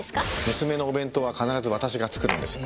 娘のお弁当は必ず私が作るんです。